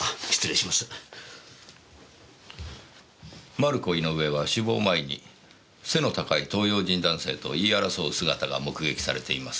マルコ・イノウエは死亡前に背の高い東洋人男性と言い争う姿が目撃されています。